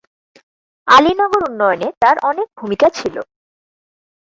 আলীনগর উন্নয়নে তার অনেক ভুমিকা ছিল।